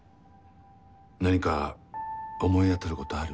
なにか思い当たることある？